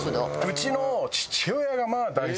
うちの父親がまあ大好きで。